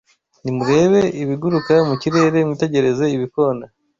Nimurebe ibiguruka mu kirere Mwitegereze ibikona